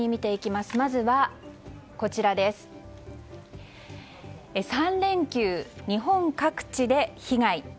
まずは３連休、日本各地で被害。